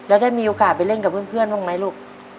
แล้วได้มีโอกาสไปเล่นกับเพื่อนบ้างไหมลูก